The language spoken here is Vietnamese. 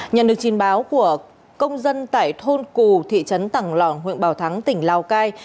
nhận được trình báo của công dân tại thôn cù thị trấn tảng lỏng huyện bảo thắng tỉnh lào cai